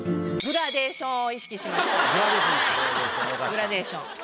グラデーション。